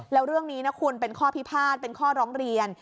แล้วเรื่องนี้นะคุณเป็นข้อพิพาทเป็นข้อร้องเรียน